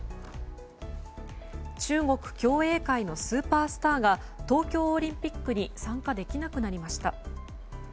中国競泳界のスーパースターが東京オリンピックに参加できなくなりました。